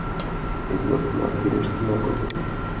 Эдвард нимат пелештен огыл.